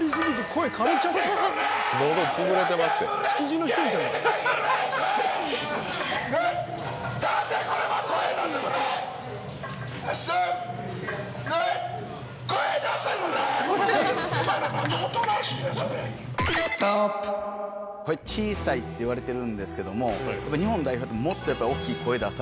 「声小さい」って言われてるんですけども。